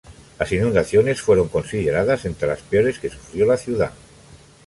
Las inundaciones fueron consideradas entre las peores que sufrió la ciudad.